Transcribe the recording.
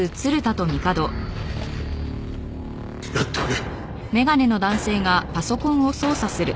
やってくれ。